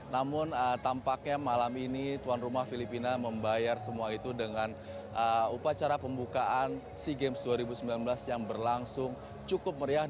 namun tampaknya malam ini tuan rumah filipina membayar semua itu dengan upacara pembukaan sea games dua ribu sembilan belas yang berlangsung cukup meriah